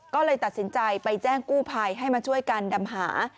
ก็เลยตัดสินใจไปแจ้งกู้ภัยให้มาช่วยกันดำหา